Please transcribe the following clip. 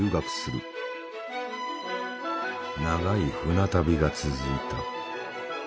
長い船旅が続いた。